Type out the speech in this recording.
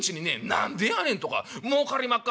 『何でやねん』とか『もうかりまっか』